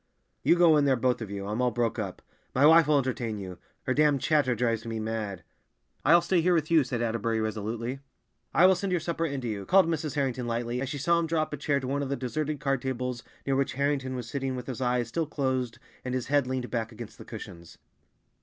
"You go in there, both of you. I'm all broke up. My wife will entertain you; her damn chatter drives me mad!" "I'll stay here with you," said Atterbury resolutely. "I will send your supper in to you," called Mrs. Harrington lightly, as she saw him draw up a chair to one of the deserted card tables near which Harrington was sitting with his eyes still closed and his head leaned back against the cushions.